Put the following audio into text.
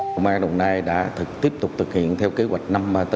công an đồng nai đã tiếp tục thực hiện theo kế hoạch năm trăm ba mươi bốn